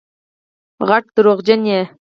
غټ دروغجن یې